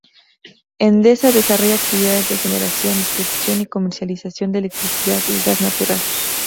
Endesa desarrolla actividades de generación, distribución y comercialización de electricidad y gas natural.